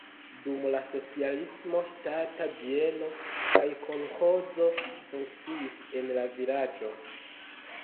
Dum la socialismo ŝtata bieno kaj kolĥozo funkciis en la vilaĝo.